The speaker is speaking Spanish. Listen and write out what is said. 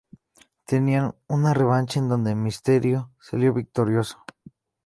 Tenían una revancha en donde Mysterio salió victorioso.